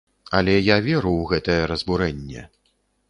Але я веру ў гэтае разбурэнне!